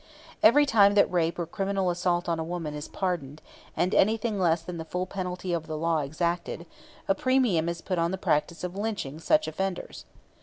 Every time that rape or criminal assault on a woman is pardoned, and anything less than the full penalty of the law exacted, a premium is put on the practice of lynching such offenders.